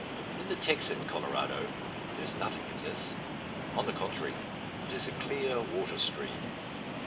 In the Texan Colorado there is nothing of this; on the contrary, it is a clear water stream.